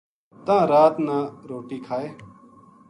تاں رات نا روٹی کھائے